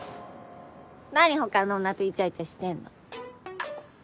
・何他の女とイチャイチャしてんの？